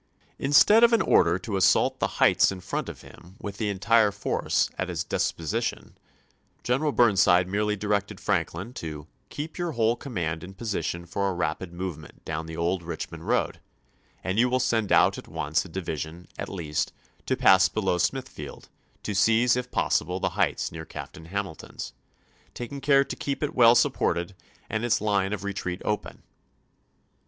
Instead of an order to assault the heights in front of him with the entire force at his disposition, Greneral Burnside merely directed Franklin to " keep your whole command in position for a rapid movement down the old Eich mond road ; and you will send out at once a divi sion, at least, to pass below Smithfield, to seize if possible the heights near Captain Hamilton's, ... taking care to keep it well supported, and its line of retreat open."